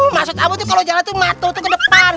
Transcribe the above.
maksud aku itu kalau jalan itu mata itu ke depan